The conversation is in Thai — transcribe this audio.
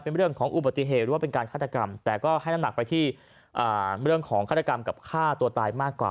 หรือว่าเป็นการฆ่าตกรรมแต่ก็ให้นำหนักไปที่เรื่องของฆ่าการฆ่ากับฆ่าตัวตายมากกว่า